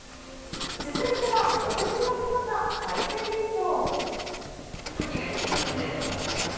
続いてはお得が詰まった海鮮弁当。